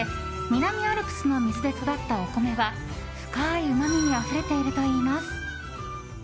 南アルプスの水で育ったお米は深いうまみにあふれているといいます。